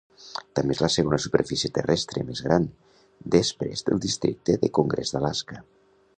També és la segona superfície terrestre més gran, desprès del districte del congrés d'Alaska.